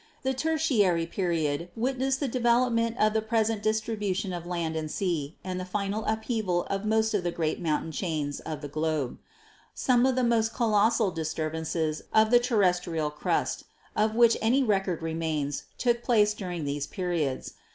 The Tertiary Period witnessed the development of the present distribution of land and sea and the final upheaval of most of the great mountain chains of the globe. Some of the most colossal disturbances of the terrestrial crust of which any record remains took place during these periods.